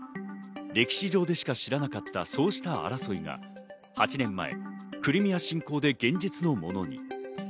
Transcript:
歴史上でしか知らなかった、そうした争いが８年前クリミア侵攻で現実のものに。